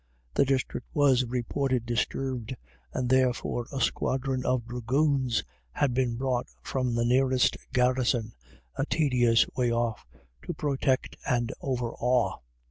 The district was reported disturbed, and therefore a squadron of dragoons had been brought from the nearest garrison, a tedious way off, to protect and overawe.